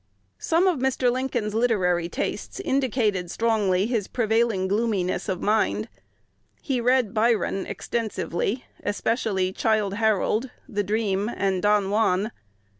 Some of Mr. Lincoln's literary tastes indicated strongly his prevailing gloominess of mind. He read Byron extensively, especially "Childe Harold," "The Dream," and "Don Juan."